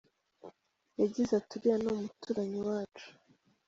Yagize ati “Uriya ni umuturanyi wacu.